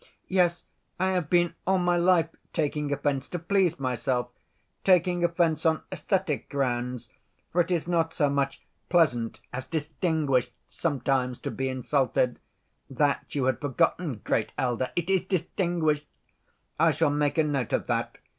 Yes, I have been all my life taking offense, to please myself, taking offense on esthetic grounds, for it is not so much pleasant as distinguished sometimes to be insulted—that you had forgotten, great elder, it is distinguished! I shall make a note of that.